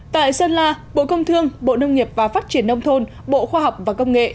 tại sơn la bộ công thương bộ nông nghiệp và phát triển nông thôn bộ khoa học và công nghệ